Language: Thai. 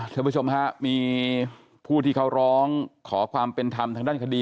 ท่านผู้ชมฮะมีผู้ที่เขาร้องขอความเป็นธรรมทางด้านคดี